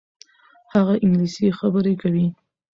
هغه انګلیسي خبرې کوي.